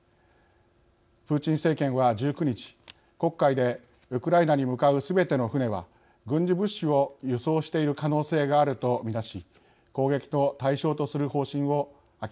プーチン政権は１９日黒海でウクライナに向かうすべての船は軍事物資を輸送している可能性があると見なし攻撃の対象とする方針を明らかにしました。